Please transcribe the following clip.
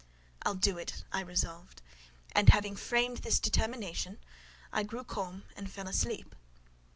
'" "I'll do it," I resolved: and having framed this determination, I grew calm, and fell asleep.